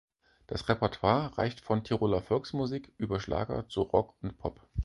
Das Repertoire reicht von Tiroler Volksmusik über Schlager zu Rock und Pop.